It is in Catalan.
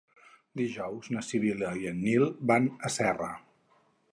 Dijous na Sibil·la i en Nil van a Serra.